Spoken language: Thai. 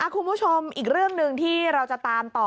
คุณผู้ชมอีกเรื่องหนึ่งที่เราจะตามต่อ